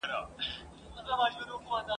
سیند به روان وي د کونړونو ..